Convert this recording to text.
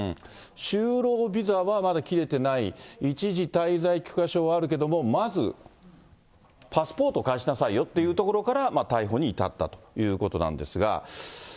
就労ビザはまだ切れてない、一時滞在許可証はあるけれども、まずパスポートを返しなさいよというところから、逮捕に至ったということなんですが。